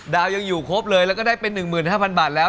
ยังอยู่ครบเลยแล้วก็ได้เป็น๑๕๐๐บาทแล้ว